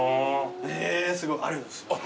へえすごいありがとうございます。